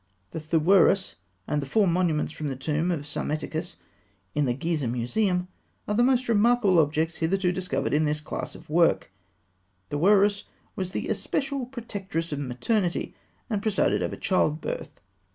The Thûeris, and the four monuments from the tomb of Psammetichus in the Gizeh Museum, are the most remarkable objects hitherto discovered in this class of work. Thûeris (fig. 203) was the especial protectress of maternity, and presided over childbirth.